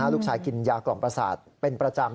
กินยากล่อมประสาทเป็นประจำ